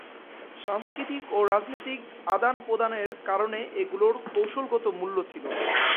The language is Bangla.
সাংস্কৃতিক ও রাজনৈতিক আদানপ্রদানের কারণে এগুলোর কৌশলগত মূল্য ছিল।